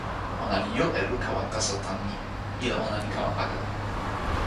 ona li jo e luka wan taso tan ni: ilo ona li kama pakala.